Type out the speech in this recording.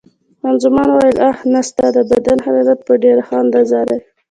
خان زمان وویل: اوه، نه، ستا د بدن حرارت په ډېره ښه اندازه دی.